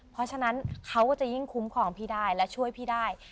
เพราะฉะนั้นเขาก็จะยิ่งคุ้มครองพี่ได้และช่วยพี่ได้